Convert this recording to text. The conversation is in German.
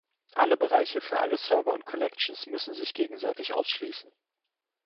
Alle Bereiche für alle Server und Collections müssen sich gegenseitig ausschließen.